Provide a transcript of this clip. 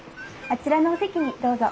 あちらのお席にどうぞ。